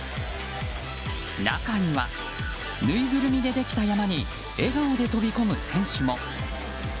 中には、ぬいぐるみでできた山に笑顔で飛び込む選手も。